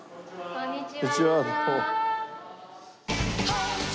こんにちは。